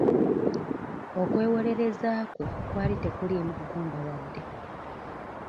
Okwewolereza kwe kwali tekuliimu ggumba wadde.